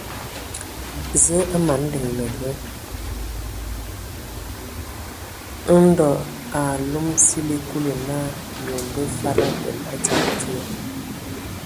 Zǝə a mana hm liŋan. Ndo a alom sili Kulu naa yǝ a mbǝ fad abel a dzal die.